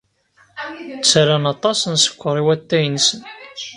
Ttarran aṭas n sskeṛ i watay-nsen.